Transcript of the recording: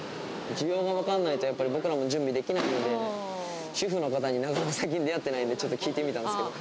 需要が分からないと、やっぱり僕らも準備できないので、主婦の方になかなか、最近、出会ってないんで、ちょっと聞いてみたんですけど。